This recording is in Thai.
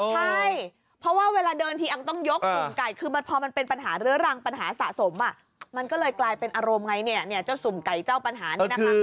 ใช่เพราะว่าเวลาเดินทีอังต้องยกสุ่มไก่คือพอมันเป็นปัญหาเรื้อรังปัญหาสะสมมันก็เลยกลายเป็นอารมณ์ไงเนี่ยเจ้าสุ่มไก่เจ้าปัญหานี่นะคะ